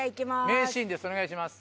名シーンですお願いします。